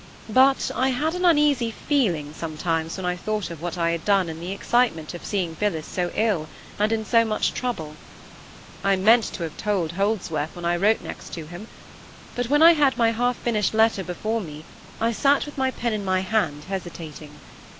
But I had an uneasy feeling sometimes when I thought of what I had done in the excitement of seeing Phillis so ill and in so much trouble. I meant to have told Holdsworth when I wrote next to him; but when I had my half finished letter before me I sate with my pen in my hand hesitating.